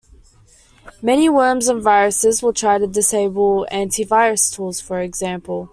Many worms and viruses will try to disable anti-virus tools, for example.